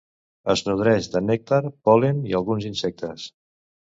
Es nodreix de nèctar, pol·len i alguns insectes.